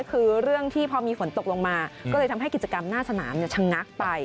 คือเรื่องที่พอมีฝนตกลงมาก็เลยทำให้กิจกรรมหน้าสนามชะงักไป